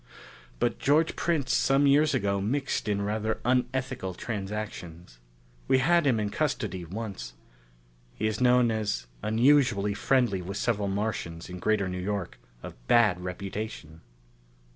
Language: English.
But George Prince some years ago mixed in rather unethical transactions. We had him in custody once. He is known as unusually friendly with several Martians in Greater New York of bad reputation."